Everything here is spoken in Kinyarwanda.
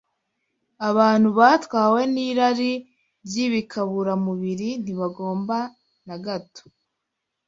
Abantu batwawe n’irari ry’ibikaburamubiri ntibagomba na gato